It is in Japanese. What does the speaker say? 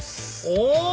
お！